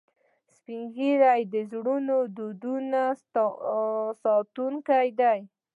سپین ږیری د زړو دودونو ساتونکي دي